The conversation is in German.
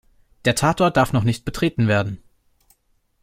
Der Tatort darf noch nicht betreten werden.